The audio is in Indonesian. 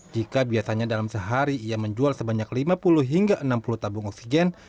jika biasanya dalam sehari ia menjual sebanyak lima puluh hingga enam puluh tabung oksigen